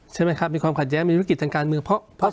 ใช่ไหมครับมีความขัดแย้งมีธุรกิจทางการเมือง